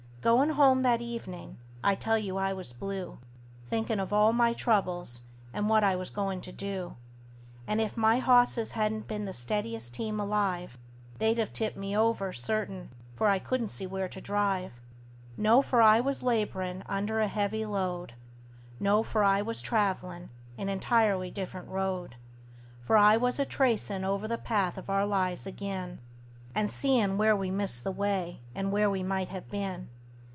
Goin' home that evenin' I tell you I was blue, Thinkin' of all my troubles, and what I was goin' to do; And if my hosses hadn't been the steadiest team alive, They'd 've tipped me over, certain, for I couldn't see where to drive. No for I was laborin' under a heavy load; No for I was travelin' an entirely different road; For I was a tracin' over the path of our lives ag'in, And seein' where we missed the way, and where we might have been.